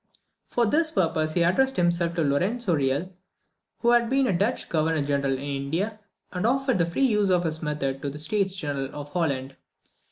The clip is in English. For this purpose he addressed himself to Lorenzo Real, who had been the Dutch Governor General in India, and offered the free use of his method to the States General of Holland.